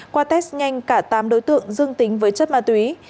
qua test nhanh cả tám đối tượng dương tính với chất ma túy